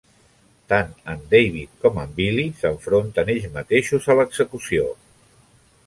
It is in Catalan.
Tant en David com en Billy s'enfronten ells mateixos a l'execució.